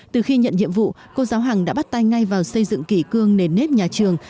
từ khi nhận nhiệm vụ cô giáo hằng đã bắt tay ngay vào xây dựng kỷ cương nền nếp nhà trường